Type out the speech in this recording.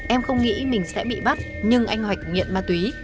em không nghĩ mình sẽ bị bắt nhưng anh hoạch nghiện ma túy